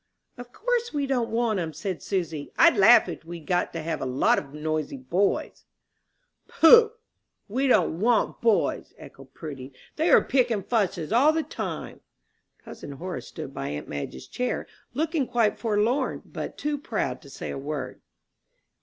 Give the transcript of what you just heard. "Of course we don't want 'em," said Susy. "I'd laugh if we'd got to have a lot of noisy boys." "Poh! we don't want boys," echoed Prudy. "They are pickin' fusses all the time." Cousin Horace stood by aunt Madge's chair, looking quite forlorn, but too proud to say a word.